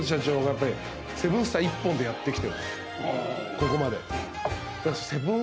ここまで。